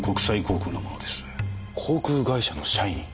航空会社の社員。